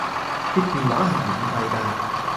接電話係免費㗎